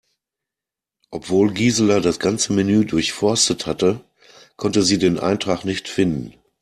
Obwohl Gisela das ganze Menü durchforstet hatte, konnte sie den Eintrag nicht finden.